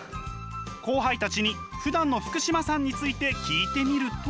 後輩たちにふだんの福島さんについて聞いてみると。